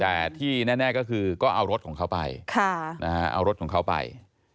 แต่ที่แน่ก็คือก็เอารถของเขาไปเอารถของเขาไป